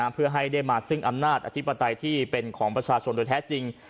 เพื่อให้ได้มาซึ่งอำนาจอธิปไตยที่เป็นของประชาชนโดยแท้จริง